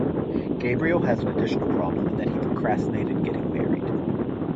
Gabriel has an additional problem in that he procrastinated getting married.